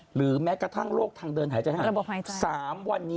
หรือแม้กระทั่งโรคทางเดินหายใจห้าง